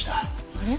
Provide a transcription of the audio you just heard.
あれ？